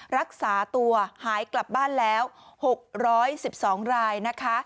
รักษาตัวหายกลับบ้านแล้ว๖๑๒รายนะคะ